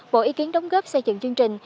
bộ ý kiến đóng góp xây dựng chương trình